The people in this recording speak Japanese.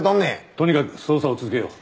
とにかく捜査を続けよう。